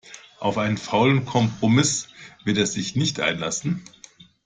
Auf einen faulen Kompromiss wird er sich nicht einlassen.